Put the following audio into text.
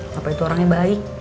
bapak itu orangnya baik